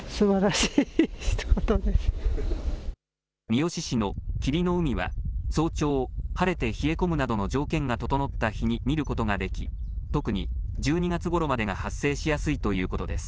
三次市の霧の海は早朝、晴れて冷え込むなどの条件が整った日に見ることができ特に１２月ごろまでが発生しやすいということです。